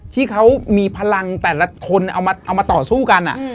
ที่เขามีพลังแต่ละคนเอามาต่อสู้กัน